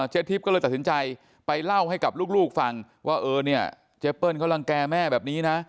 เจ๊ทิปก็เลยตัดสินใจไปเล่าให้กับลูกฟังว่าเจ๊เปิ้ลกำลังแก่แม่แบบนี้นะ